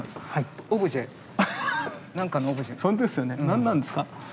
何なんですか？